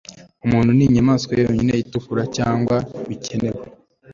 Umuntu ninyamaswa yonyine itukura Cyangwa bikenewe